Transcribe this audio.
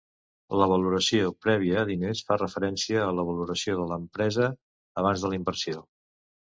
La valoració prèvia a diners fa referència a la valoració de l'empresa abans de la inversió.